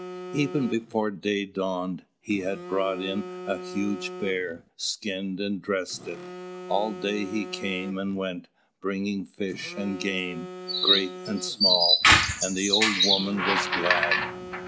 Even before day dawned, he had brought in a huge bear, skinned and dressed it. All day he came and went, bringing fish and game, great and small, and the old woman was glad.